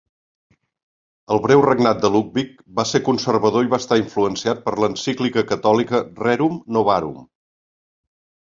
El breu regnat de Ludwig va ser conservador i va estar influenciat per l'encíclica catòlica "Rerum novarum".